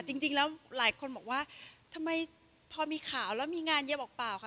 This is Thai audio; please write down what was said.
จริงแล้วหลายคนบอกว่าทำไมพอมีข่าวแล้วมีงานเยอะบอกเปล่าคะ